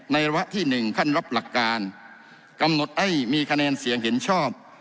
ระวะที่หนึ่งขั้นรับหลักการกำหนดให้มีคะแนนเสียงเห็นชอบ